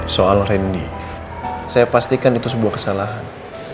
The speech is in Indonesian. soal randy saya pastikan itu sebuah kesalahan